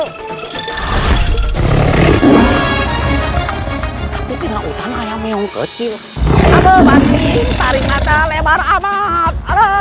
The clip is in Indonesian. tapi tidak utama yang meong kecil apa bantuin tarik mata lebar amat